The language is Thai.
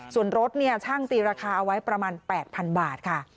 ส่วนรถช่างตีราคาเอาไว้ประมาณ๘๐๐๐บาทค่ะ